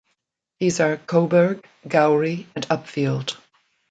These are Coburg, Gowrie and Upfield.